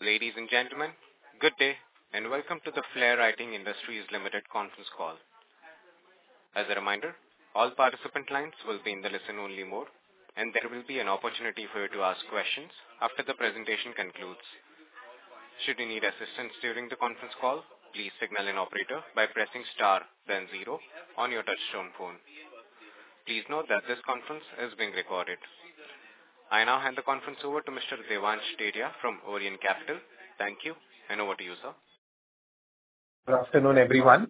Ladies and gentlemen, good day and welcome to the Flair Writing Industries Limited conference call. As a reminder, all participant lines will be in the listen-only mode, and there will be an opportunity for you to ask questions after the presentation concludes. Should you need assistance during the conference call, please signal an operator by pressing star, then zero, on your touch-tone phone. Please note that this conference is being recorded. I now hand the conference over to Mr. Devansh Dedhia from Orient Capital. Thank you, and over to you, sir. Good afternoon, everyone.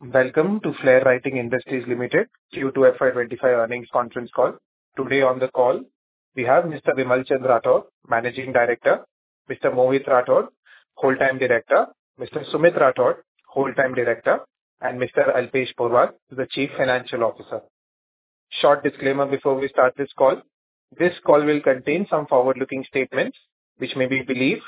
Welcome to Flair Writing Industries Limited Q2 FY25 earnings conference call. Today on the call, we have Mr. Vimalchand Rathod, Managing Director, Mr. Mohit Rathod, Whole Time Director, Mr. Sumit Rathod, Whole Time Director, and Mr. Alpesh Porwal, the Chief Financial Officer. Short disclaimer before we start this call: this call will contain some forward-looking statements which may be believed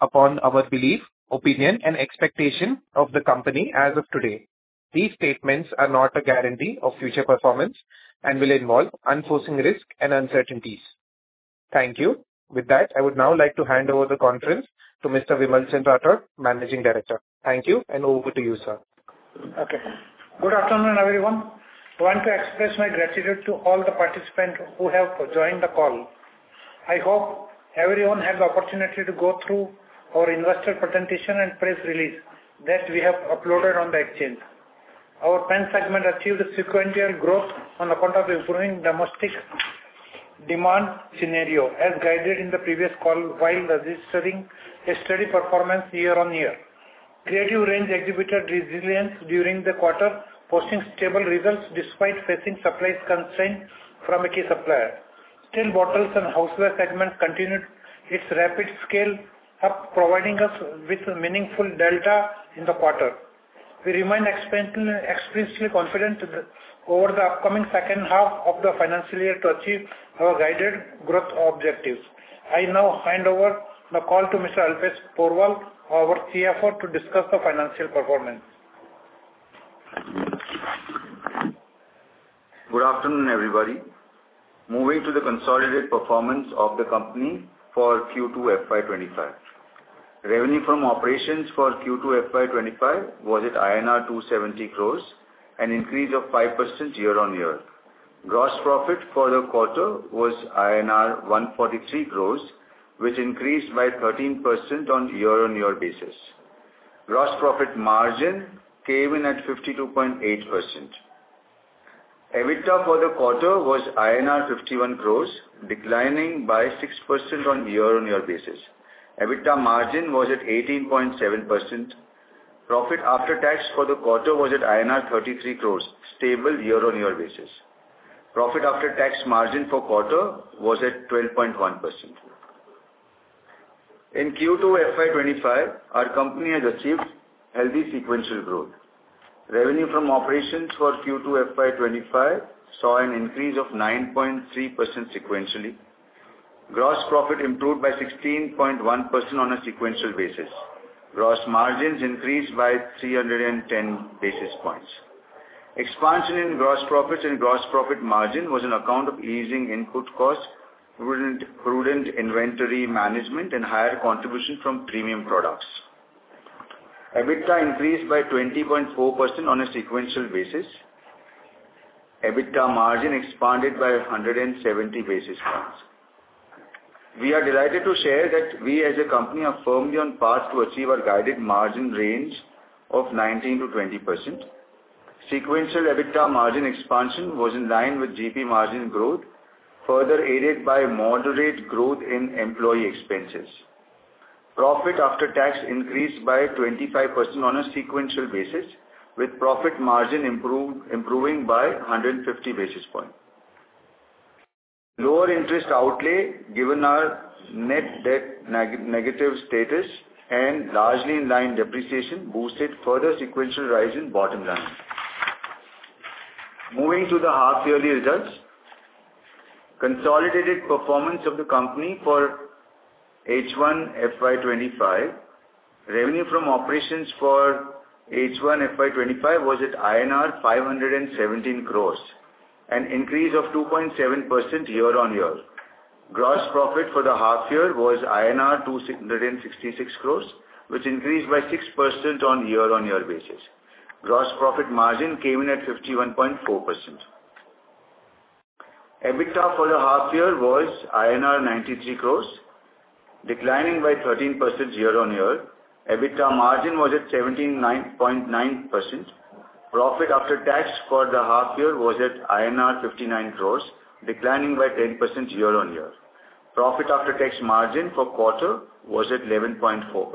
upon our belief, opinion, and expectation of the company as of today. These statements are not a guarantee of future performance and will involve unforeseen risks and uncertainties. Thank you. With that, I would now like to hand over the conference to Mr. Vimalchand Rathod, Managing Director. Thank you, and over to you, sir. Okay. Good afternoon, everyone. I want to express my gratitude to all the participants who have joined the call. I hope everyone has the opportunity to go through our investor presentation and press release that we have uploaded on the exchange. Our pen segment achieved sequential growth on account of improving domestic demand scenario, as guided in the previous call while registering a steady performance year on year. Creative Range exhibited resilience during the quarter, posting stable results despite facing supply constraints from key suppliers. Steel Bottles and houseware segment continued its rapid scale up, providing us with meaningful delta in the quarter. We remain expressly confident over the upcoming second half of the financial year to achieve our guided growth objectives. I now hand over the call to Mr. Alpesh Porwal, our CFO, to discuss the financial performance. Good afternoon, everybody. Moving to the consolidated performance of the company for Q2 FY25. Revenue from operations for Q2 FY25 was at INR 270 crores, an increase of 5% year on year. Gross profit for the quarter was INR 143 crores, which increased by 13% on year-on-year basis. Gross profit margin came in at 52.8%. EBITDA for the quarter was INR 51 crores, declining by 6% on year-on-year basis. EBITDA margin was at 18.7%. Profit after tax for the quarter was at INR 33 crores, stable year-on-year basis. Profit after tax margin for quarter was at 12.1%. In Q2 FY25, our company has achieved healthy sequential growth. Revenue from operations for Q2 FY25 saw an increase of 9.3% sequentially. Gross profit improved by 16.1% on a sequential basis. Gross margins increased by 310 basis points. Expansion in gross profits and gross profit margin was on account of easing input costs, prudent inventory management, and higher contribution from premium products. EBITDA increased by 20.4% on a sequential basis. EBITDA margin expanded by 170 basis points. We are delighted to share that we, as a company, are firmly on path to achieve our guided margin range of 19%-20%. Sequential EBITDA margin expansion was in line with GP margin growth, further aided by moderate growth in employee expenses. Profit after tax increased by 25% on a sequential basis, with profit margin improving by 150 basis points. Lower interest outlay, given our net debt negative status and largely in line depreciation, boosted further sequential rise in bottom line. Moving to the half-yearly results, consolidated performance of the company for H1 FY25. Revenue from operations for H1 FY25 was at INR 517 crores, an increase of 2.7% year-on-year. Gross profit for the half-year was INR 266 crores, which increased by 6% on year-on-year basis. Gross profit margin came in at 51.4%. EBITDA for the half-year was INR 93 crores, declining by 13% year-on-year. EBITDA margin was at 17.9%. Profit after tax for the half-year was at INR 59 crores, declining by 10% year-on-year. Profit after tax margin for quarter was at 11.4%.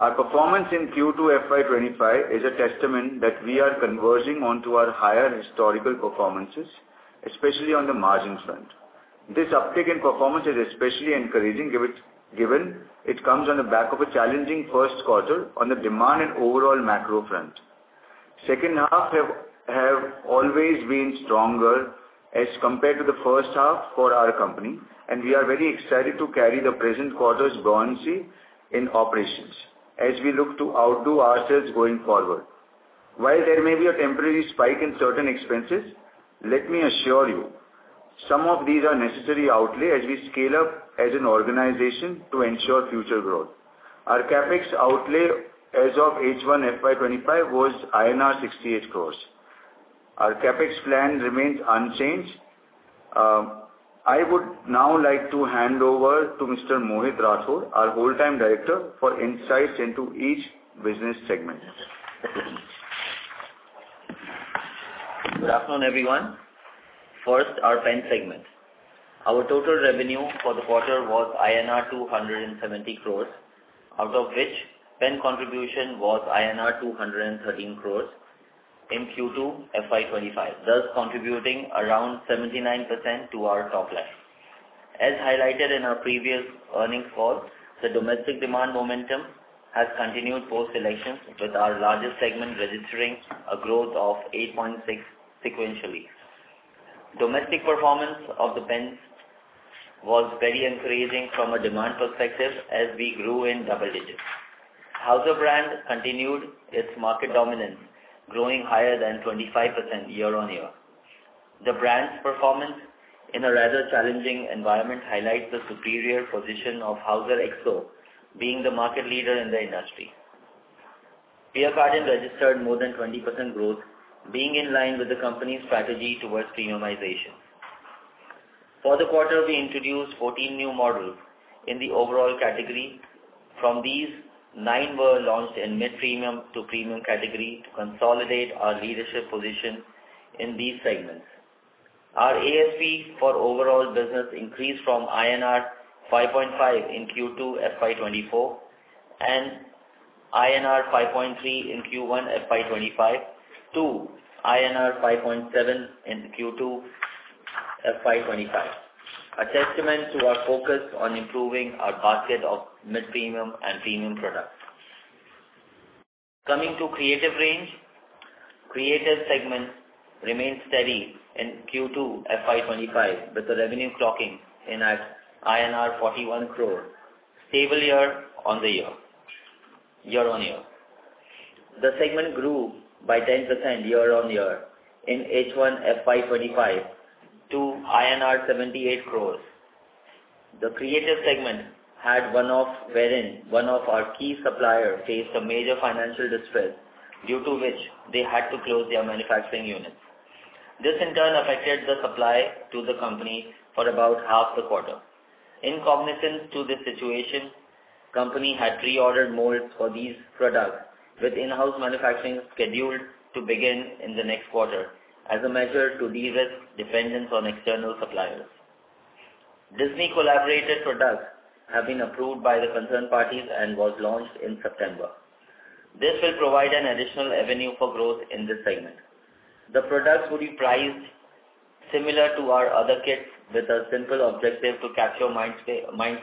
Our performance in Q2 FY25 is a testament that we are converging onto our higher historical performances, especially on the margin front. This uptake in performance is especially encouraging given it comes on the back of a challenging first quarter on the demand and overall macro front. Second half have always been stronger as compared to the first half for our company, and we are very excited to carry the present quarter's buoyancy in operations as we look to outdo ourselves going forward. While there may be a temporary spike in certain expenses, let me assure you, some of these are necessary outlay as we scale up as an organization to ensure future growth. Our CapEx outlay as of H1 FY25 was INR 68 crores. Our CapEx plan remains unchanged. I would now like to hand over to Mr. Mohit Rathod, our Whole Time Director, for insights into each business segment. Good afternoon, everyone. First, our pen segment. Our total revenue for the quarter was INR 270 crores, out of which pen contribution was INR 213 crores in Q2 FY25, thus contributing around 79% to our top line. As highlighted in our previous earnings call, the domestic demand momentum has continued post-elections, with our largest segment registering a growth of 8.6% sequentially. Domestic performance of the pens was very encouraging from a demand perspective as we grew in double digits. Hauser brand continued its market dominance, growing higher than 25% year-on-year. The brand's performance in a rather challenging environment highlights the superior position of Hauser XO, being the market leader in the industry. Pierre Cardin registered more than 20% growth, being in line with the company's strategy towards premiumization. For the quarter, we introduced 14 new models in the overall category. From these, nine were launched in mid-premium to premium category to consolidate our leadership position in these segments. Our ASP for overall business increased from INR 5.5 in Q2 FY24 and INR 5.3 in Q1 FY25 to INR 5.7 in Q2 FY25, a testament to our focus on improving our basket of mid-premium and premium products. Coming to Creative Range, creative segment remained steady in Q2 FY25, with the revenue clocking in at INR 41 crore, stable year-on-year. The segment grew by 10% year-on-year in H1 FY25 to INR 78 crores. The creative segment had one of our key suppliers faced a major financial distress, due to which they had to close their manufacturing units. This, in turn, affected the supply to the company for about half the quarter. In cognizance to this situation, the company had pre-ordered molds for these products, with in-house manufacturing scheduled to begin in the next quarter as a measure to de-risk dependence on external suppliers. Disney-collaborated products have been approved by the concerned parties and were launched in September. This will provide an additional avenue for growth in this segment. The products would be priced similar to our other kits, with a simple objective to capture mind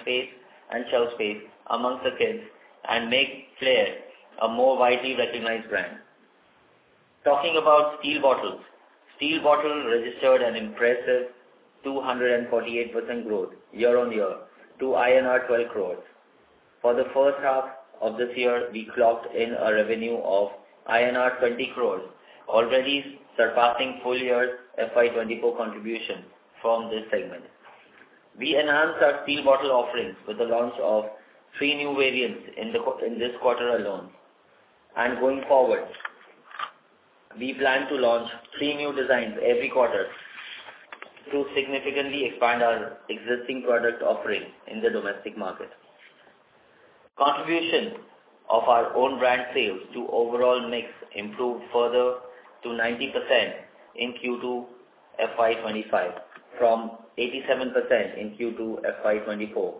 space and shelf space amongst the kits and make Flair a more widely recognized brand. Talking about steel bottles, steel bottles registered an impressive 248% growth year-on-year to INR 12 crores. For the first half of this year, we clocked in a revenue of INR 20 crores, already surpassing full-year FY24 contribution from this segment. We enhanced our steel bottle offerings with the launch of three new variants in this quarter alone. Going forward, we plan to launch three new designs every quarter to significantly expand our existing product offering in the domestic market. Contribution of our own brand sales to overall mix improved further to 90% in Q2 FY25 from 87% in Q2 FY24,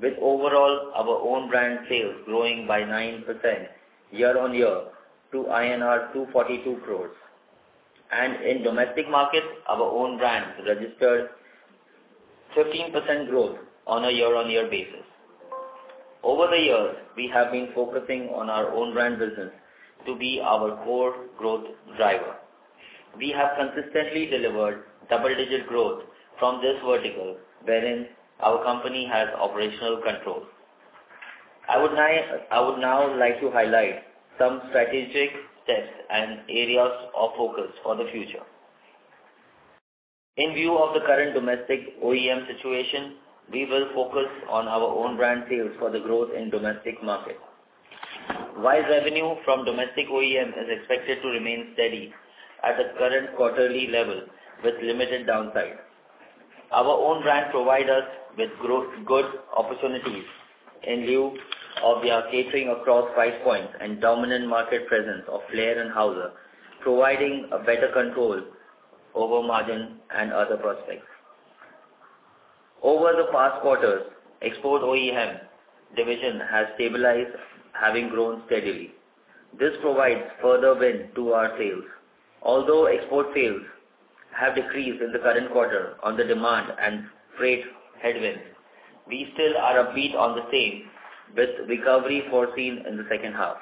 with overall our own brand sales growing by 9% year-on-year to INR 242 crores. In domestic markets, our own brand registered 15% growth on a year-on-year basis. Over the years, we have been focusing on our own brand business to be our core growth driver. We have consistently delivered double-digit growth from this vertical wherein our company has operational control. I would now like to highlight some strategic steps and areas of focus for the future. In view of the current domestic OEM situation, we will focus on our own brand sales for the growth in domestic market. While revenue from domestic OEM is expected to remain steady at the current quarterly level with limited downside. Our own brand provides us with good opportunities in view of their catering across price points and dominant market presence of Flair and Hauser, providing better control over margin and other prospects. Over the past quarters, export OEM division has stabilized, having grown steadily. This provides further wind to our sales. Although export sales have decreased in the current quarter on the demand and freight headwinds, we still are about the same with recovery foreseen in the second half.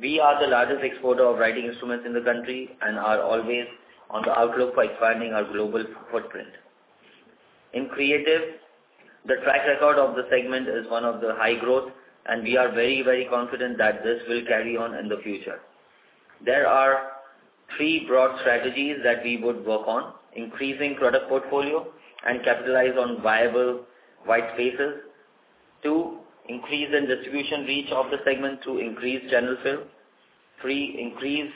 We are the largest exporter of writing instruments in the country and are always on the lookout for expanding our global footprint. In creative, the track record of the segment is one of the high growth, and we are very, very confident that this will carry on in the future. There are three broad strategies that we would work on: increasing product portfolio and capitalize on viable white spaces. Two, increase in distribution reach of the segment through increased channel fill. Three, increase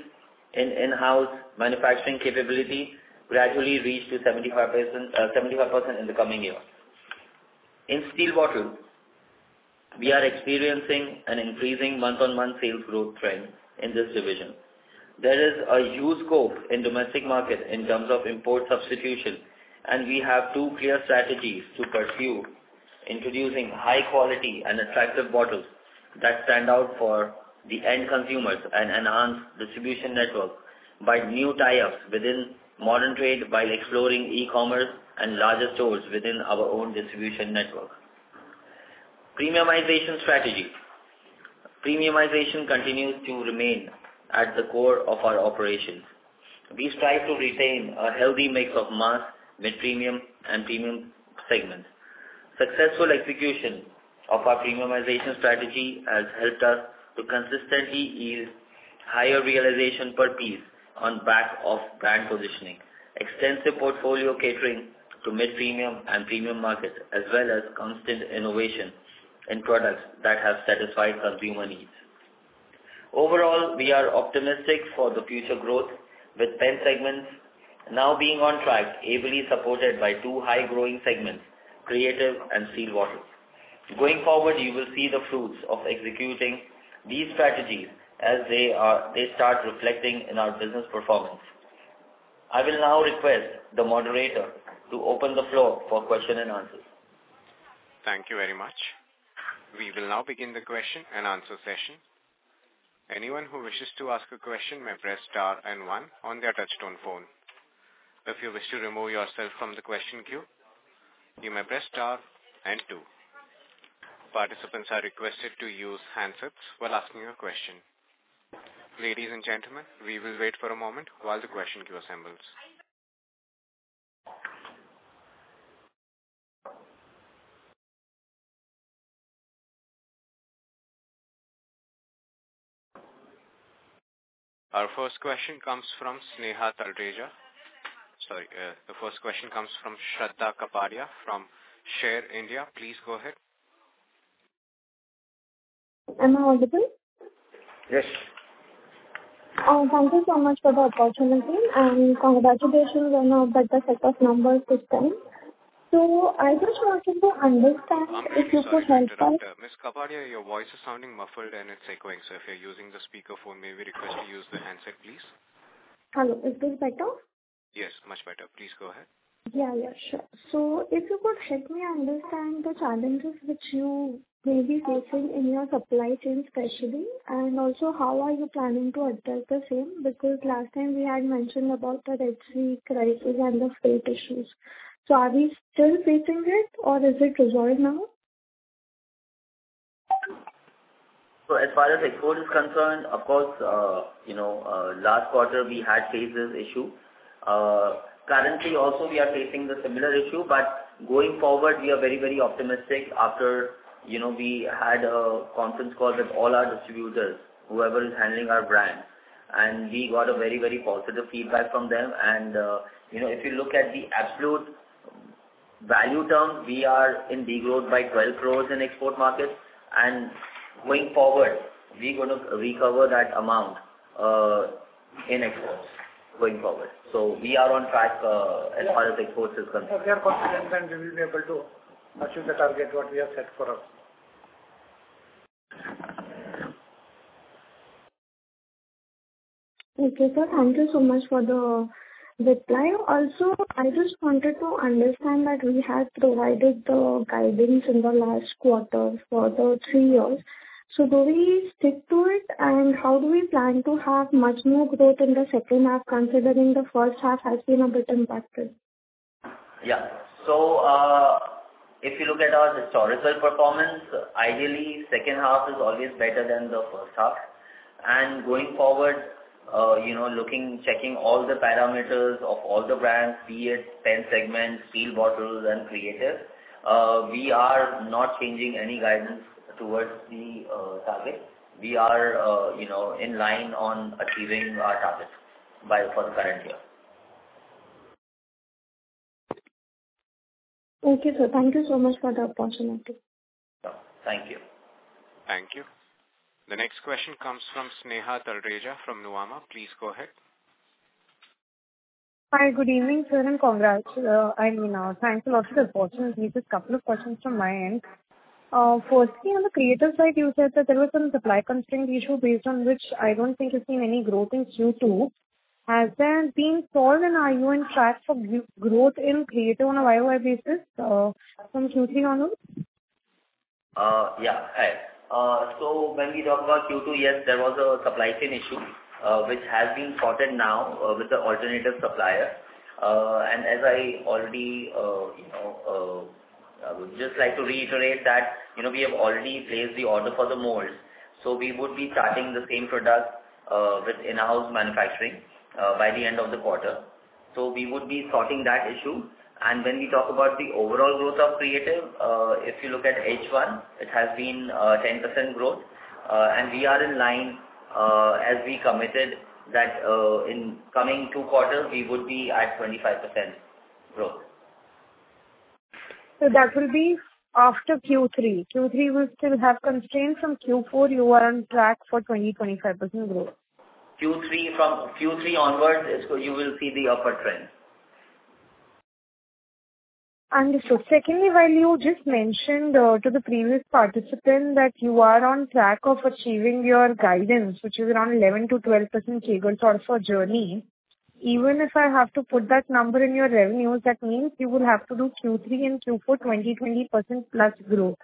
in in-house manufacturing capability, gradually reached to 75% in the coming year. In Steel Bottles, we are experiencing an increasing month-on-month sales growth trend in this division. There is a huge scope in domestic market in terms of import substitution, and we have two clear strategies to pursue: introducing high-quality and attractive bottles that stand out for the end consumers and enhance distribution network by new tie-ups within Modern Trade while exploring e-commerce and larger stores within our own distribution network. Premiumization strategy. Premiumization continues to remain at the core of our operations. We strive to retain a healthy mix of mass mid-premium and premium segments. Successful execution of our premiumization strategy has helped us to consistently ease higher realization per piece on back of brand positioning, extensive portfolio catering to mid-premium and premium markets, as well as constant innovation in products that have satisfied consumer needs. Overall, we are optimistic for the future growth with pen segments now being on track, ably supported by two high-growing segments, creative and steel bottles. Going forward, you will see the fruits of executing these strategies as they start reflecting in our business performance. I will now request the moderator to open the floor for question and answers. Thank you very much. We will now begin the question and answer session. Anyone who wishes to ask a question may press star and one on their touch-tone phone. If you wish to remove yourself from the question queue, you may press star and two. Participants are requested to use handsets while asking a question. Ladies and gentlemen, we will wait for a moment while the question queue assembles. Our first question comes from Sneha Taldeja. Sorry. The first question comes from Shraddha Kapadia from Share India. Please go ahead. Am I audible? Yes. Thank you so much for the opportunity and congratulations on the set of numbers this time. So I just wanted to understand if you could help us. Ms. Kapadia, your voice is sounding muffled and it's echoing, so if you're using the speakerphone, may we request to use the handset, please? Hello. Is this better? Yes, much better. Please go ahead. Yeah, yeah. Sure. So if you could help me understand the challenges which you may be facing in your supply chain especially, and also how are you planning to address the same? Because last time we had mentioned about the Red Sea crisis and the freight issues. So are we still facing it, or is it resolved now? So as far as export is concerned, of course, last quarter we had faced this issue. Currently, also, we are facing a similar issue, but going forward, we are very, very optimistic after we had a conference call with all our distributors, whoever is handling our brand. And we got very, very positive feedback from them. And if you look at the absolute value terms, we are in degrowth by 12 crores in export markets. And going forward, we're going to recover that amount in exports going forward. So we are on track as far as exports is concerned. If we are confident, then we will be able to achieve the target what we have set for us. Okay, so thank you so much for the reply. Also, I just wanted to understand that we have provided the guidance in the last quarter for the three years, so do we stick to it, and how do we plan to have much more growth in the second half considering the first half has been a bit impacted? Yeah, so if you look at our historical performance, ideally, second half is always better than the first half, and going forward, looking, checking all the parameters of all the brands, be it pen segments, steel bottles, and creative, we are not changing any guidance towards the target. We are in line on achieving our target for the current year. Okay, so thank you so much for the opportunity. Thank you. Thank you. The next question comes from Sneha Taldeja from Nuvama. Please go ahead. Hi. Good evening, sir, and congrats. I mean, thank you for the opportunity. Just a couple of questions from my end. Firstly, on the creative side, you said that there was some supply constraint issue based on which I don't think you've seen any growth in Q2. Has there been thought, and are you on track for growth in creative on a YY basis from Q3 onwards? Yeah. Hi. So when we talk about Q2, yes, there was a supply chain issue which has been spotted now with the alternative supplier. And as I already just like to reiterate that we have already placed the order for the molds. So we would be starting the same product with in-house manufacturing by the end of the quarter. So we would be spotting that issue. And when we talk about the overall growth of creative, if you look at H1, it has been 10% growth. And we are in line as we committed that in coming two quarters, we would be at 25% growth. So that will be after Q3. Q3 will still have constraints. From Q4, you are on track for 20%-25% growth? Q3 onwards, you will see the upper trend. Understood. Secondly, while you just mentioned to the previous participant that you are on track of achieving your guidance, which is around 11%-12% CAGR sort of a journey, even if I have to put that number in your revenues, that means you will have to do Q3 and Q4 20%-20% plus growth.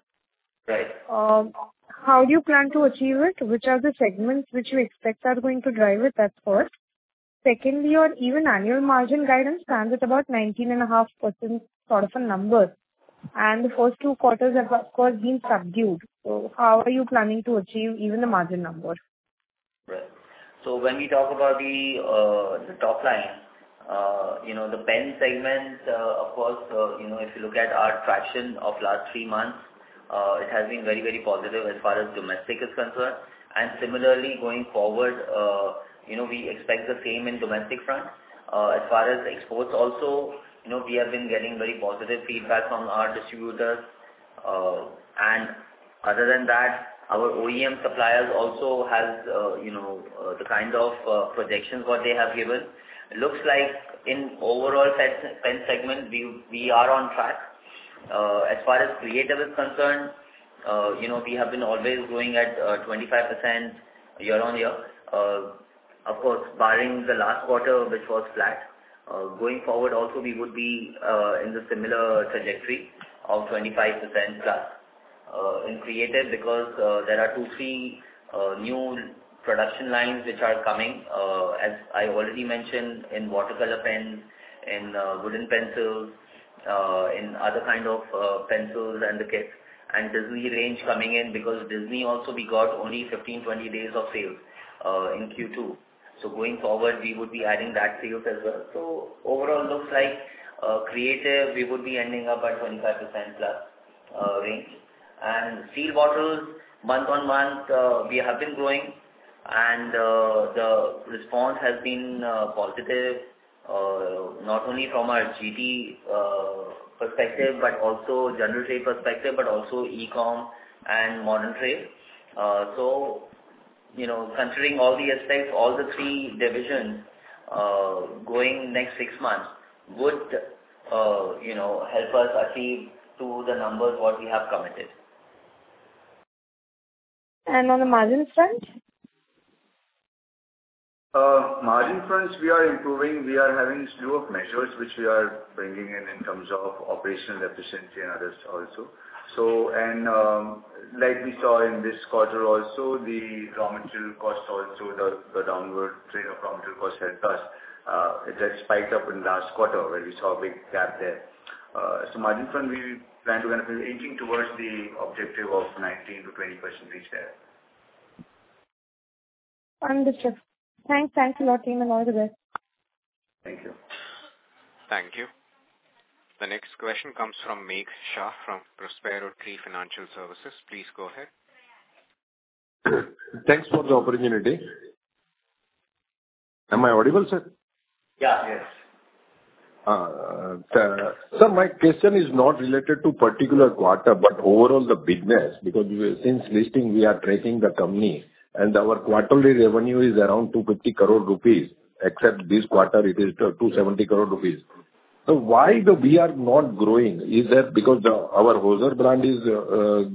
Right. How do you plan to achieve it? Which are the segments which you expect are going to drive it at first? Secondly, your EBITDA annual margin guidance stands at about 19.5% sort of a number. And the first two quarters have, of course, been subdued. So how are you planning to achieve even the margin number? Right. So when we talk about the top line, the pen segment, of course, if you look at our traction of last three months, it has been very, very positive as far as domestic is concerned. And similarly, going forward, we expect the same in domestic front. As far as exports also, we have been getting very positive feedback from our distributors. And other than that, our OEM suppliers also have the kind of projections what they have given. It looks like in overall pen segment, we are on track. As far as creative is concerned, we have been always growing at 25% year-on-year. Of course, barring the last quarter, which was flat. Going forward, also, we would be in the similar trajectory of 25% plus in creative because there are two, three new production lines which are coming, as I already mentioned, in watercolor pens, in wooden pencils, in other kind of pencils and the kit, and Disney range coming in because Disney also, we got only 15-20 days of sales in Q2. So going forward, we would be adding that sales as well. So overall, it looks like creative, we would be ending up at 25% plus range. And steel bottles, month on month, we have been growing, and the response has been positive, not only from our GT perspective but also general trade perspective, but also e-com and modern trade. So considering all the aspects, all the three divisions going next six months would help us achieve to the numbers what we have committed. On the margin front? Margin front, we are improving. We are having slew of measures which we are bringing in in terms of operational efficiency and others also. Like we saw in this quarter also, the raw material cost also, the downward trend of raw material cost helped us. It had spiked up in last quarter where we saw a big gap there. Margin front, we plan to kind of be aiming towards the objective of 19%-20% reach there. Understood. Thanks. Thank you, team, and all the best. Thank you. Thank you. The next question comes from Megh Shah from Prospero Tree Financial Services. Please go ahead. Thanks for the opportunity. Am I audible, sir? Yeah. Yes. Sir, my question is not related to a particular quarter, but overall the business because since listing, we are tracking the company, and our quarterly revenue is around 250 crore rupees, except this quarter, it is 270 crore rupees. So why we are not growing? Is that because our Hauser brand is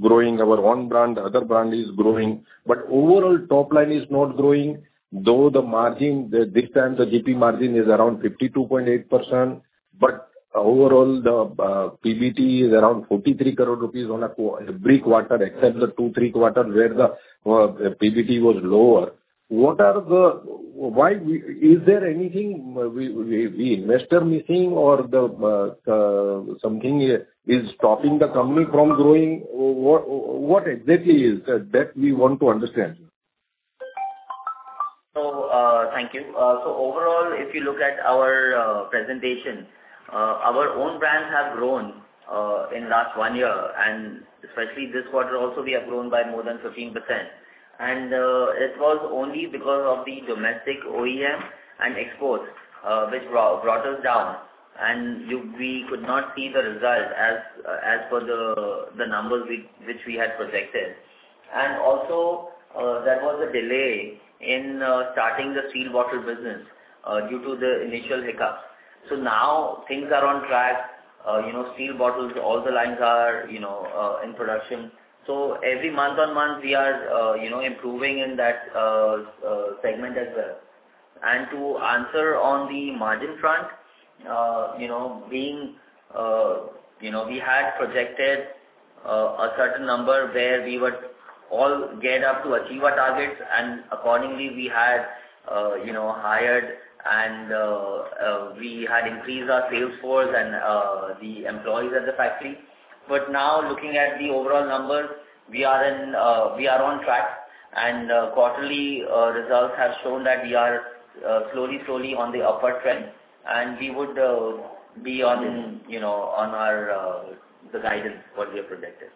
growing, our own brand, other brand is growing, but overall top line is not growing, though the margin, this time, the GP margin is around 52.8%. But overall, the PBT is around 43 crore rupees on every quarter, except the two, three quarters where the PBT was lower. What are the why? Is there anything we investor missing, or something is stopping the company from growing? What exactly is that we want to understand? So thank you. Overall, if you look at our presentation, our own brands have grown in the last one year, and especially this quarter also, we have grown by more than 15%. And it was only because of the domestic OEM and exports which brought us down, and we could not see the result as per the numbers which we had projected. And also, there was a delay in starting the steel bottle business due to the initial hiccups. So now things are on track. Steel bottles, all the lines are in production. So every month on month, we are improving in that segment as well. And to answer on the margin front, being we had projected a certain number where we would all get up to achieve our targets, and accordingly, we had hired, and we had increased our sales force and the employees at the factory. But now, looking at the overall numbers, we are on track, and quarterly results have shown that we are slowly, slowly on the upper trend, and we would be on the guidance what we have projected.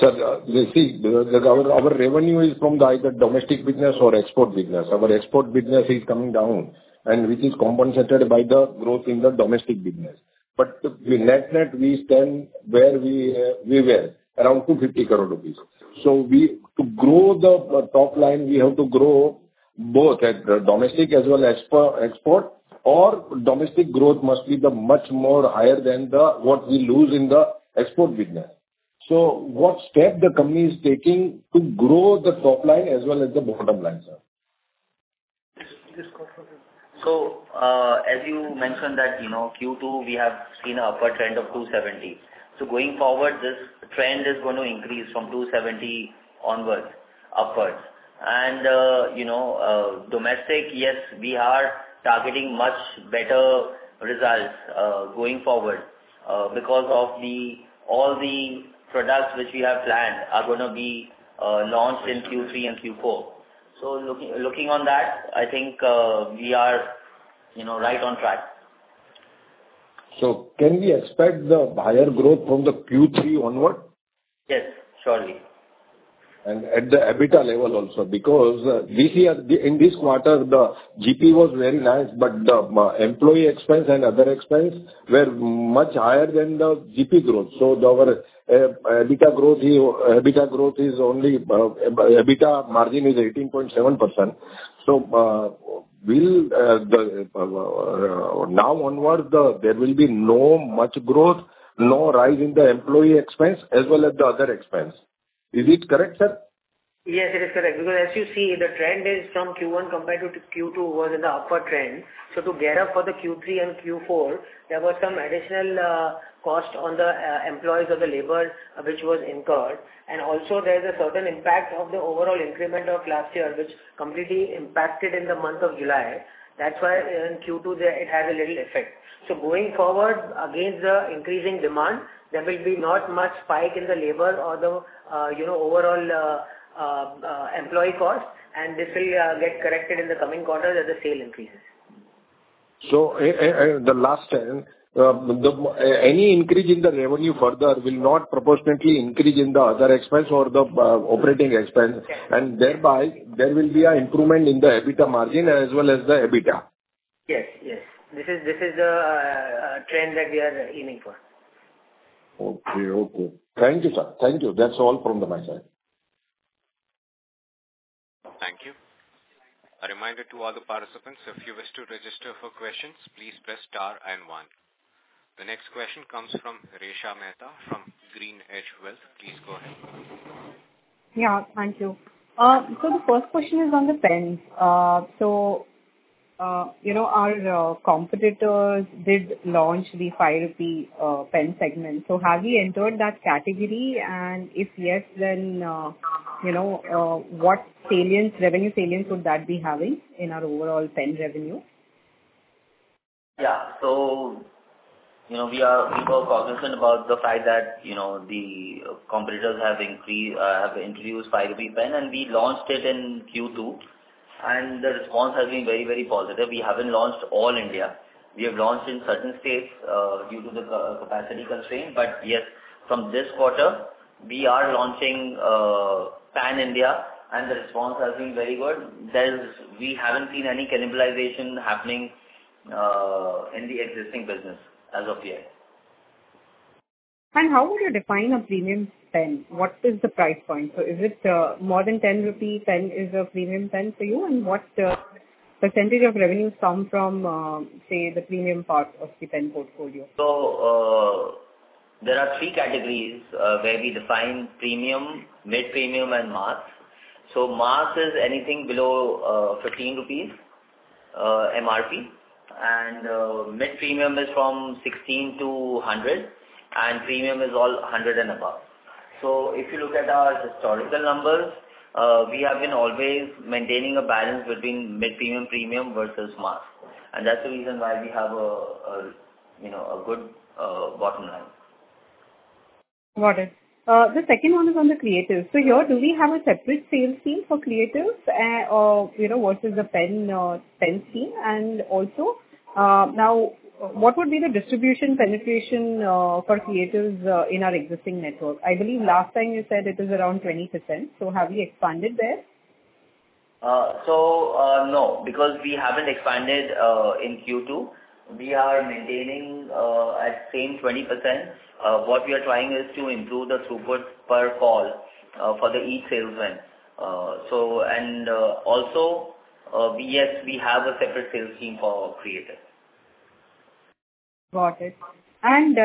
Sir, you see, our revenue is from either domestic business or export business. Our export business is coming down, and which is compensated by the growth in the domestic business. But the net net, we stand where we were, around 250 crore rupees. So to grow the top line, we have to grow both at the domestic as well as export, or domestic growth must be much more higher than what we lose in the export business. So what step the company is taking to grow the top line as well as the bottom line, sir? Just quick question, so as you mentioned that Q2, we have seen an upward trend of 270, so going forward, this trend is going to increase from 270 onwards, upwards, and domestic, yes, we are targeting much better results going forward because of all the products which we have planned are going to be launched in Q3 and Q4, so looking on that, I think we are right on track. So can we expect the higher growth from the Q3 onward? Yes. Surely. And at the EBITDA level also because in this quarter, the GP was very nice, but the employee expense and other expense were much higher than the GP growth. So our EBITDA growth is only EBITDA margin is 18.7%. So now onwards, there will be no much growth, no rise in the employee expense as well as the other expense. Is it correct, sir? Yes, it is correct because as you see, the trend is from Q1 compared to Q2 was in the upper trend, so to get up for the Q3 and Q4, there was some additional cost on the employees or the labor which was incurred, and also, there is a certain impact of the overall increment of last year which completely impacted in the month of July. That's why in Q2, it has a little effect, so going forward, against the increasing demand, there will be not much spike in the labor or the overall employee cost, and this will get corrected in the coming quarters as the sale increases. So the last trend, any increase in the revenue further will not proportionately increase in the other expense or the operating expense. And thereby, there will be an improvement in the EBITDA margin as well as the EBITDA. Yes. Yes. This is the trend that we are aiming for. Okay. Okay. Thank you, sir. Thank you. That's all from my side. Thank you. A reminder to all the participants, if you wish to register for questions, please press star and one. The next question comes from Richa Mehta from GreenEdge Wealth. Please go ahead. Yeah. Thank you. So the first question is on the pens. So our competitors did launch the 5 rupee pen segment. So have we entered that category? And if yes, then what revenue salience would that be having in our overall pen revenue? Yeah. So we were cognizant about the fact that the competitors have introduced 5 pen, and we launched it in Q2, and the response has been very, very positive. We haven't launched all India. We have launched in certain states due to the capacity constraint, but yes, from this quarter, we are launching pan India, and the response has been very good. We haven't seen any cannibalization happening in the existing business as of yet. How would you define a premium pen? What is the price point? Is it more than 10 rupees? Is a premium pen for you? What percentage of revenue comes from, say, the premium part of the pen portfolio? So there are three categories where we define premium, mid-premium, and max. So max is anything below ₹15 MRP, and mid-premium is from 16-100, and premium is all 100 and above. So if you look at our historical numbers, we have been always maintaining a balance between mid-premium, premium versus max. And that's the reason why we have a good bottom line. Got it. The second one is on the creative. So here, do we have a separate sales team for creatives versus the pen team? And also, now, what would be the distribution penetration for creatives in our existing network? I believe last time you said it is around 20%. So have we expanded there? So no, because we haven't expanded in Q2. We are maintaining at same 20%. What we are trying is to improve the throughput per call for each salesman. And also, yes, we have a separate sales team for creative. Got it. And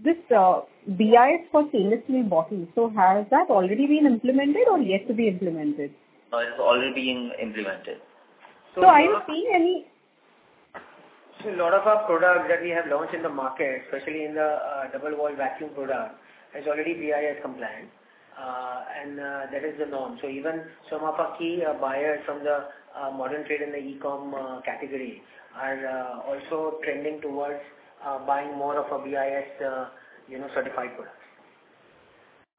this BI for sales, we bought also. Has that already been implemented or yet to be implemented? It's already been implemented. Are you seeing any? So a lot of our products that we have launched in the market, especially in the double-wall vacuum product, is already BIS compliant, and that is the norm. So even some of our key buyers from the modern trade and the e-com category are also trending towards buying more of our BIS certified products.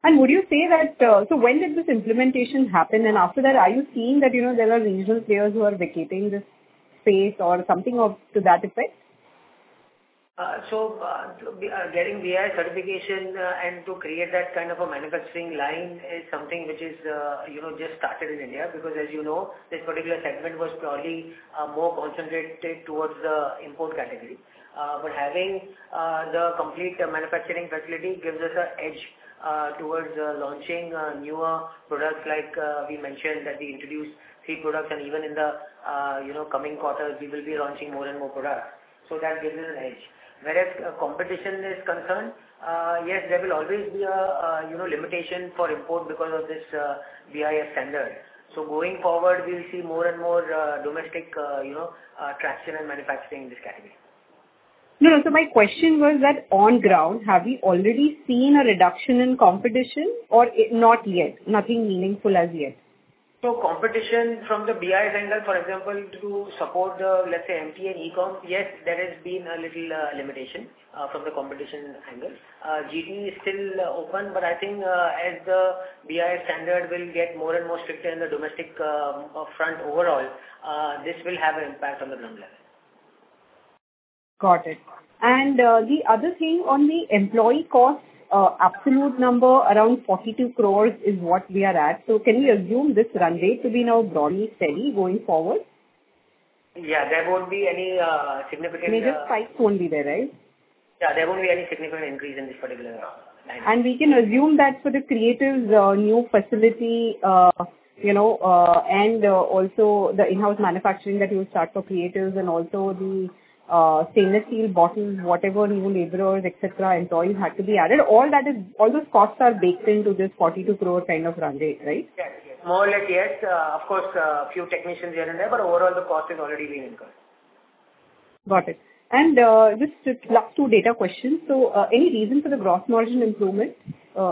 Would you say that so when did this implementation happen? After that, are you seeing that there are regional players who are vacating this space or something to that effect? So getting BIS certification and to create that kind of a manufacturing line is something which has just started in India because, as you know, this particular segment was probably more concentrated towards the import category. But having the complete manufacturing facility gives us an edge towards launching newer products like we mentioned that we introduced seed products, and even in the coming quarters, we will be launching more and more products. So that gives us an edge. Whereas competition is concerned, yes, there will always be a limitation for import because of this BIS standard. So going forward, we'll see more and more domestic traction and manufacturing in this category. So my question was that on ground, have we already seen a reduction in competition or not yet? Nothing meaningful as yet? So competition from the BIS angle, for example, to support the, let's say, MT and e-com, yes, there has been a little limitation from the competition angle. GT is still open, but I think as the BIS standard will get more and more strict in the domestic front overall, this will have an impact on the ground level. Got it. And the other thing on the employee cost, absolute number around 42 crore is what we are at. So can we assume this run rate to be now broadly steady going forward? Yeah. There won't be any significant. Major spikes won't be there, right? Yeah. There won't be any significant increase in this particular line of. We can assume that for the creatives, new facility, and also the in-house manufacturing that you will start for creatives and also the stainless steel bottles, whatever new laborers, etc., employees had to be added. All those costs are baked into this 42 crore kind of run rate, right? More or less, yes. Of course, a few technicians here and there, but overall, the cost has already been incurred. Got it. And just last two data questions. So any reason for the gross margin improvement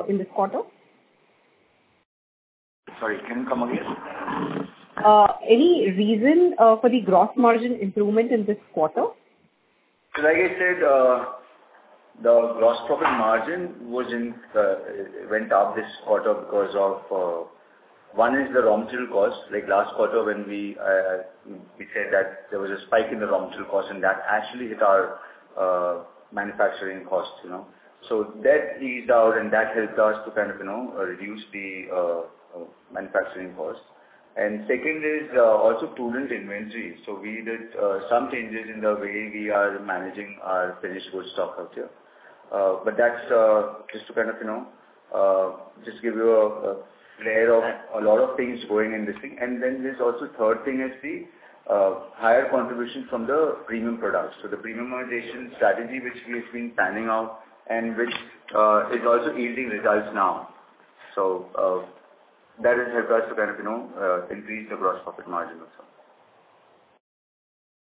in this quarter? Sorry. Can you come again? Any reason for the gross margin improvement in this quarter? Like I said, the Gross Profit Margin went up this quarter because one is the raw material cost. Last quarter, when we said that there was a spike in the raw material cost, and that actually hit our manufacturing cost. So that eased out, and that helped us to kind of reduce the manufacturing cost. And second is also prudent inventory. So we did some changes in the way we are managing our finished goods stock out here. But that's just to kind of just give you a layer of a lot of things going in this thing. And then there's also third thing is the higher contribution from the premium products. So the Premiumization strategy which we have been planning out and which is also yielding results now. So that has helped us to kind of increase the Gross Profit Margin also.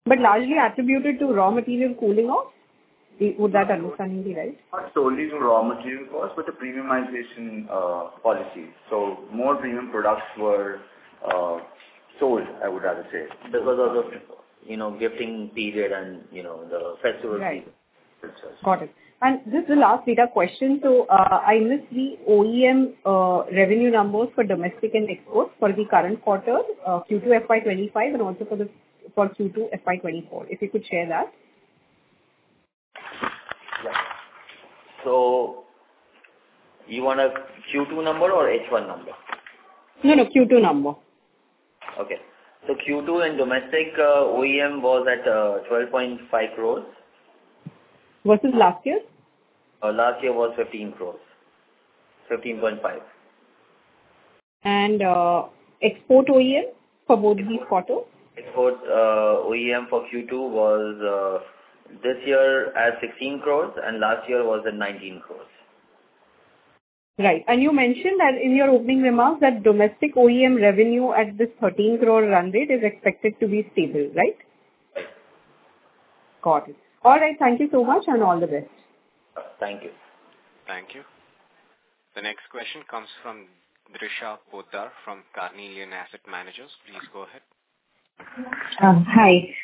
But largely attributed to raw material cooling off? Would that understanding be right? Not solely to raw material cost, but the premiumization policy. So more premium products were sold, I would rather say, because of the gifting period and the festival. Right. Got it. And just the last data question. So I missed the OEM revenue numbers for domestic and export for the current quarter, Q2 FY25, and also for Q2 FY24. If you could share that. So you want a Q2 number or H1 number? No, no. Q2 number. Okay. So Q2 in domestic OEM was at 12.5 crore. Versus last year? Last year was 15 crore. 15.5. Export OEM for both these quarters? Export OEM for Q2 was this year at 16 crore, and last year was at 19 crore. Right, and you mentioned that in your opening remarks that domestic OEM revenue at this 13 crore run rate is expected to be stable, right? Yes. Got it. All right. Thank you so much and all the best. Thank you. Thank you. The next question comes from Darshan Bhutar from Carnelian Asset Advisors. Please go ahead. Hi.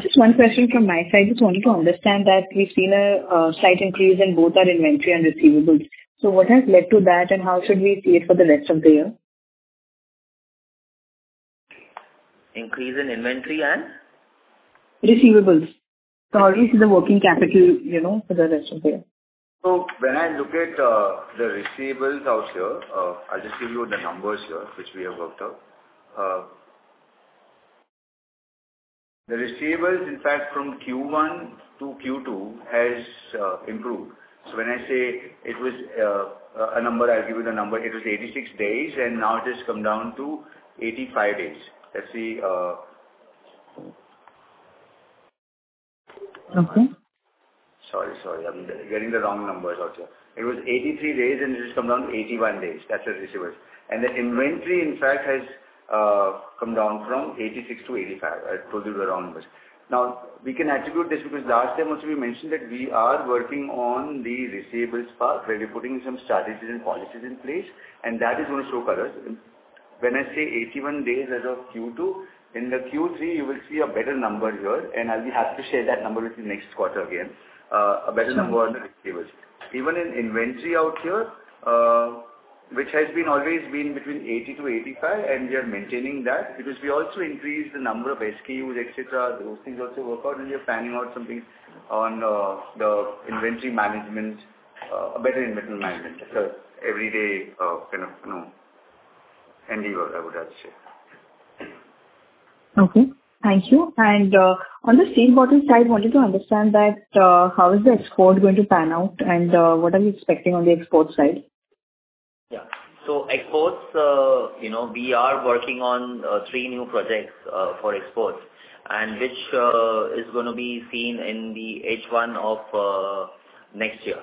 Just one question from my side. Just wanted to understand that we've seen a slight increase in both our inventory and receivables. So what has led to that, and how should we see it for the rest of the year? Increase in inventory and? Receivables. So how do we see the working capital for the rest of the year? When I look at the receivables out here, I'll just give you the numbers here which we have worked out. The receivables, in fact, from Q1 to Q2 has improved. When I say it was a number, I'll give you the number. It was 86 days, and now it has come down to 85 days. Let's see. Okay. Sorry, sorry. I'm getting the wrong numbers out here. It was 83 days, and it has come down to 81 days. That's the receivables. And the inventory, in fact, has come down from 86 to 85. I told you the wrong numbers. Now, we can attribute this because last time, also, we mentioned that we are working on the receivables part where we're putting some strategies and policies in place, and that is going to show colors. When I say 81 days as of Q2, in the Q3, you will see a better number here, and I'll be happy to share that number with you next quarter again. A better number on the receivables. Even in inventory out here, which has always been between 80 to 85, and we are maintaining that because we also increased the number of SKUs, etc. Those things also work out, and we are planning out some things on the inventory management, better inventory management, everyday kind of endeavor, I would rather say. Okay. Thank you. And on the steel bottle side, wanted to understand that how is the export going to pan out, and what are you expecting on the export side? Yeah. Exports, we are working on three new projects for exports, and which is going to be seen in the H1 of next year.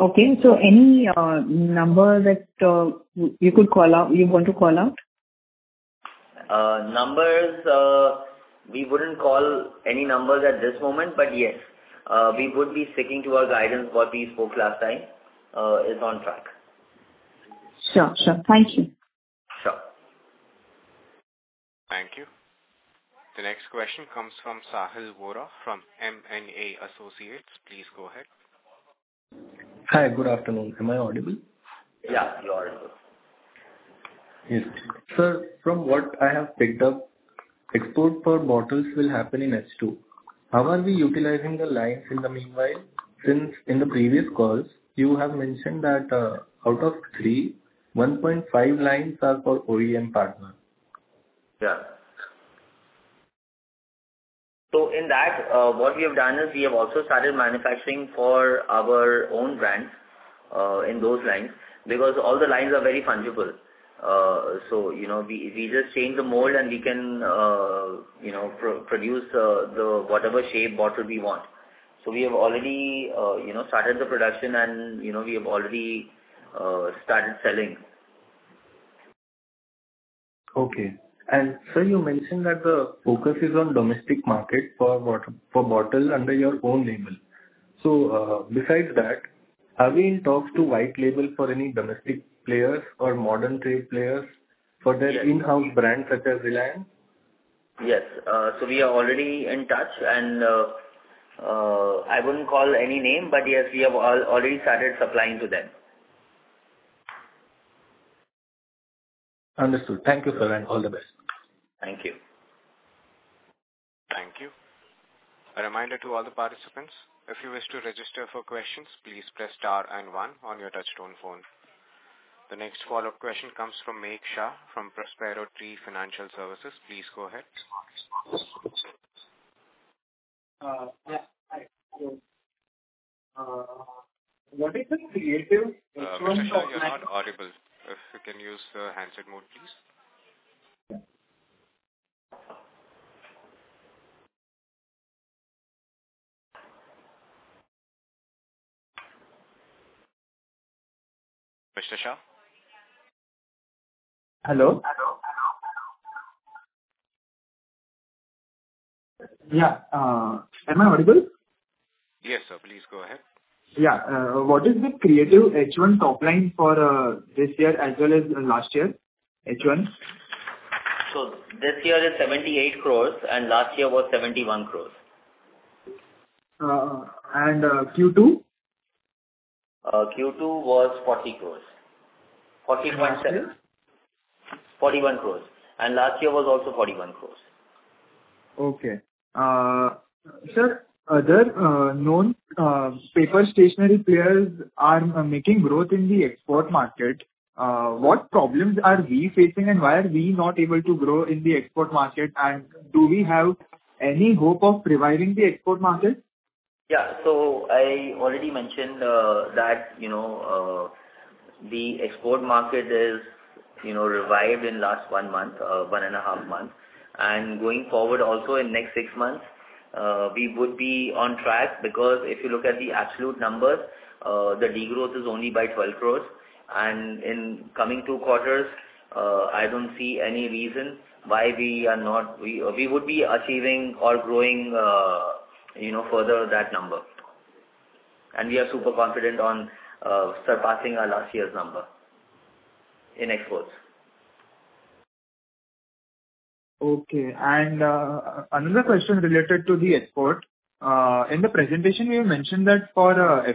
Okay. So any number that you could call out you want to call out? Numbers? We wouldn't call any numbers at this moment, but yes, we would be sticking to our guidance. What we spoke last time is on track. Sure. Sure. Thank you. Sure. Thank you. The next question comes from Sahil Vora from M&A Associates. Please go ahead. Hi. Good afternoon. Am I audible? Yeah. You're audible. Yes. Sir, from what I have picked up, export of bottles will happen in Q2. How are we utilizing the lines in the meanwhile? Since in the previous calls, you have mentioned that out of three, 1.5 lines are for OEM partner. Yeah. So in that, what we have done is we have also started manufacturing for our own brand in those lines because all the lines are very fungible. So we just change the mold, and we can produce the whatever shape bottle we want. So we have already started the production, and we have already started selling. Okay, and sir, you mentioned that the focus is on domestic market for bottles under your own label, so besides that, have you been in talks to white label for any domestic players or modern trade players for their in-house brand, such as Reliance? Yes. So we are already in touch, and I wouldn't call any name, but yes, we have already started supplying to them. Understood. Thank you, sir, and all the best. Thank you. Thank you. A reminder to all the participants. If you wish to register for questions, please press star and one on your touch-tone phone. The next follow-up question comes from Megh Shah from Prospero Tree Financial Services. Please go ahead. What is the Creative? If you can use the handset mode, please. Mr. Shah? Hello? Yeah. Am I audible? Yes, sir. Please go ahead. Yeah. What is the Creative H1 top line for this year as well as last year? H1? This year is 78 crore, and last year was 71 crore. And Q2? Q2 was 40 crore. 40.7. Last year? 41 crore. And last year was also 41 crore. Okay. Sir, other known paper stationery players are making growth in the export market. What problems are we facing, and why are we not able to grow in the export market? And do we have any hope of reviving the export market? Yeah. So I already mentioned that the export market is revived in the last one month, one and a half months. And going forward, also in the next six months, we would be on track because if you look at the absolute numbers, the degrowth is only by 12 crore. And in coming two quarters, I don't see any reason why we would be achieving or growing further that number. And we are super confident on surpassing our last year's number in exports. Okay. And another question related to the export. In the presentation, we have mentioned that for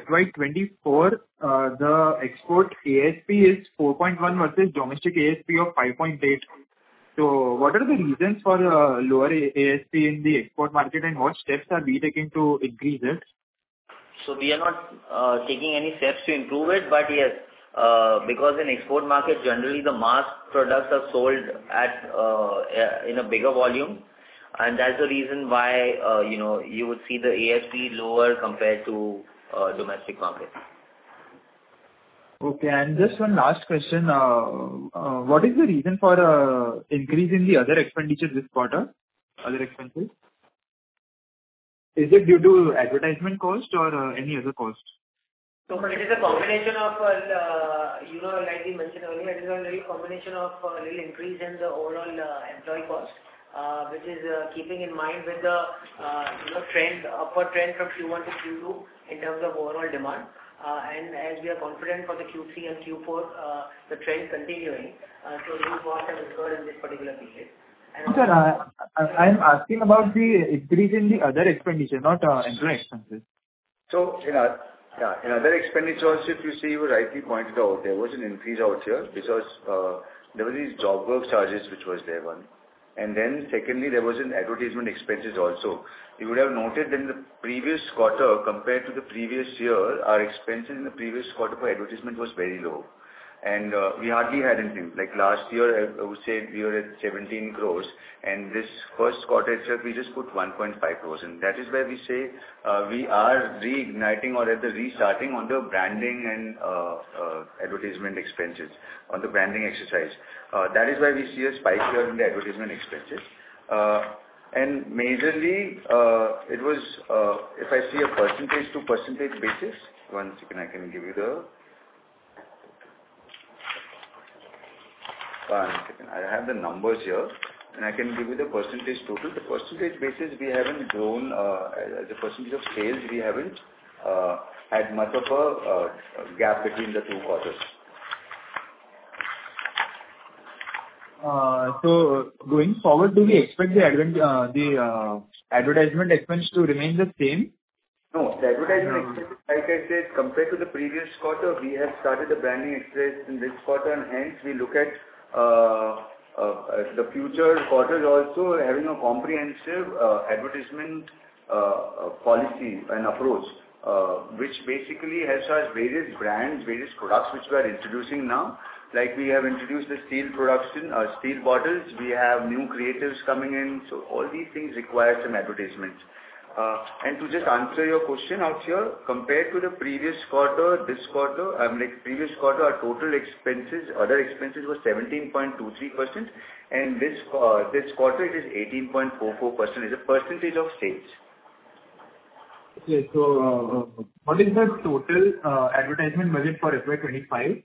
FY24, the export ASP is 4.1 versus domestic ASP of 5.8. So what are the reasons for lower ASP in the export market, and what steps are we taking to increase it? So we are not taking any steps to improve it, but yes, because in export market, generally, the mass products are sold in a bigger volume, and that's the reason why you would see the ASP lower compared to domestic market. Okay. And just one last question. What is the reason for increase in the other expenditures this quarter? Other expenses? Is it due to advertisement cost or any other cost? So it is a combination of, like we mentioned earlier, it is a little combination of a little increase in the overall employee cost, which is keeping in mind with the upward trend from Q1 to Q2 in terms of overall demand. And as we are confident for the Q3 and Q4, the trend continuing, so these ones have occurred in this particular period. Sir, I am asking about the increase in the other expenditure, not employee expenses. In other expenditures, if you see what IT pointed out, there was an increase out here because there were these job work charges, which was there one. Secondly, there was an advertisement expenses also. You would have noted in the previous quarter compared to the previous year, our expenses in the previous quarter for advertisement was very low. We hardly had anything. Like last year, I would say we were at 17 crores, and this first quarter itself, we just put 1.5 crores. That is where we say we are reigniting or at the restarting on the branding and advertisement expenses, on the branding exercise. That is why we see a spike here in the advertisement expenses. Majorly, it was, if I see a percentage to percentage basis. One second, I can give you the one second. I have the numbers here, and I can give you the percentage total. The percentage basis, we haven't grown as a percentage of sales, we haven't had much of a gap between the two quarters. So going forward, do we expect the advertising expense to remain the same? No. The advertisement expense, like I said, compared to the previous quarter, we have started the branding exercise in this quarter, and hence we look at the future quarters also having a comprehensive advertisement policy and approach, which basically has our various brands, various products which we are introducing now. Like we have introduced the Steel Bottles. We have new creatives coming in. So all these things require some advertisements. And to just answer your question out here, compared to the previous quarter, this quarter, I mean, previous quarter, our total expenses, other expenses were 17.23%, and this quarter, it is 18.44%. It's a percentage of sales. Okay. So what is the total advertisement budget for FY25?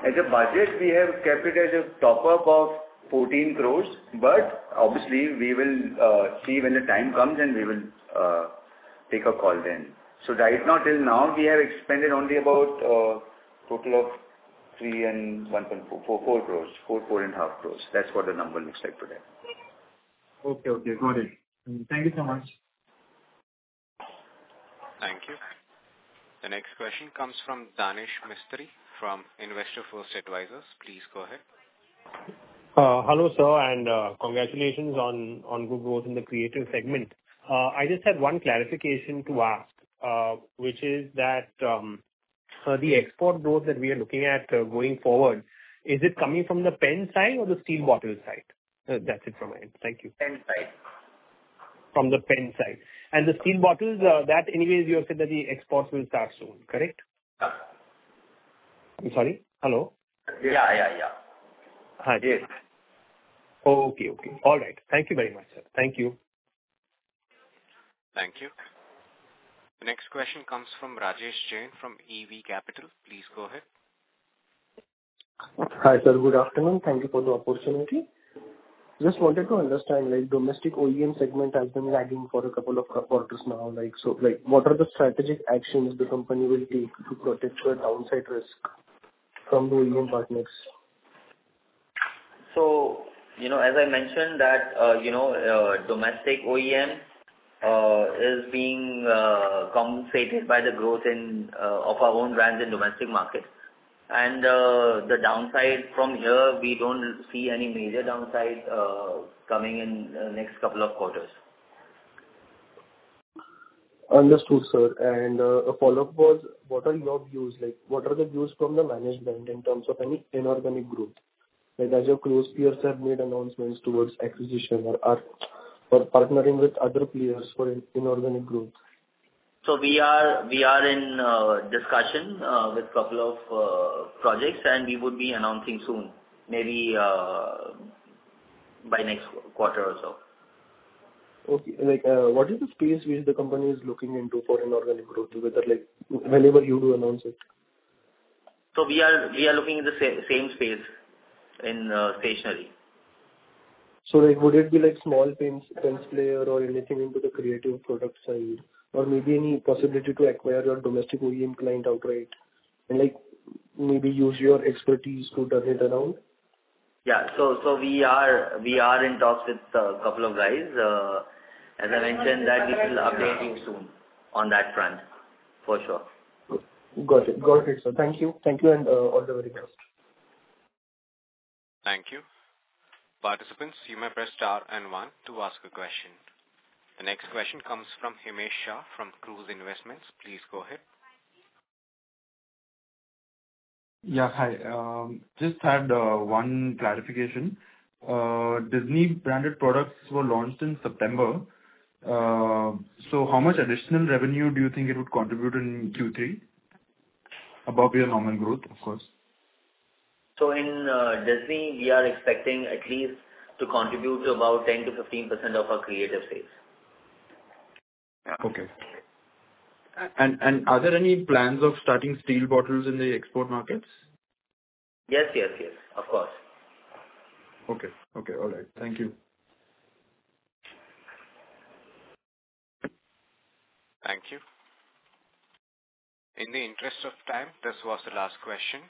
As a budget, we have capped it as a top-up of 14 crores, but obviously, we will see when the time comes, and we will take a call then. So right now, till now, we have expended only about a total of 3.144 crores, 4 crores, 4.5 crores. That's what the number looks like today. Okay. Okay. Got it. Thank you so much. Thank you. The next question comes from Danish Mistry from Investor First Advisors. Please go ahead. Hello, sir, and congratulations on good growth in the creative segment. I just had one clarification to ask, which is that the export growth that we are looking at going forward, is it coming from the pen side or the steel bottle side? That's it from my end. Thank you. Pen side. From the pen side and the steel bottles, that anyway, you have said that the exports will start soon, correct? Yeah. I'm sorry? Hello? Yeah. Yeah. Yeah. Hi. Yes. Okay. All right. Thank you very much, sir. Thank you. Thank you. The next question comes from Rajesh Jain from EV Capital. Please go ahead. Hi, sir. Good afternoon. Thank you for the opportunity. Just wanted to understand, domestic OEM segment has been lagging for a couple of quarters now. So what are the strategic actions the company will take to protect your downside risk from the OEM partners? As I mentioned, that domestic OEM is being compensated by the growth of our own brands in domestic market. The downside from here, we don't see any major downside coming in the next couple of quarters. Understood, sir. And a follow-up was, what are your views? What are the views from the management in terms of any inorganic growth? As your close peers have made announcements towards acquisition or partnering with other players for inorganic growth? So we are in discussion with a couple of projects, and we would be announcing soon, maybe by next quarter or so. Okay. What is the space which the company is looking into for inorganic growth, whenever you do announce it? We are looking at the same space in stationery. So would it be small pen player or anything into the creative product side or maybe any possibility to acquire your domestic OEM client outright and maybe use your expertise to turn it around? Yeah. So we are in talks with a couple of guys. As I mentioned, that we will update you soon on that front, for sure. Got it. Got it, sir. Thank you. Thank you, and all the very best. Thank you. Participants, you may press star and one to ask a question. The next question comes from Himesh Shah from Cruise Investments. Please go ahead. Yeah. Hi. Just had one clarification. Disney branded products were launched in September. So how much additional revenue do you think it would contribute in Q3 above your normal growth, of course? So in Disney, we are expecting at least to contribute to about 10%-15% of our creative sales. Okay. And are there any plans of starting Steel Bottles in the export markets? Yes. Yes. Yes. Of course. Okay. Okay. All right. Thank you. Thank you. In the interest of time, this was the last question.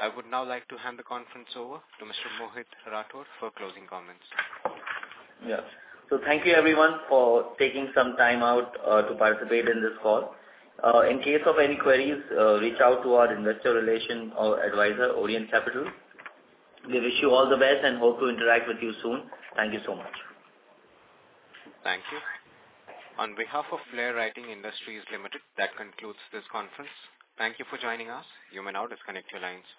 I would now like to hand the conference over to Mr. Mohit Rathod for closing comments. Yes. So thank you, everyone, for taking some time out to participate in this call. In case of any queries, reach out to our investor relations advisor, Orient Capital. We wish you all the best and hope to interact with you soon. Thank you so much. Thank you. On behalf of Flair Writing Industries Limited, that concludes this conference. Thank you for joining us. You may now disconnect your lines.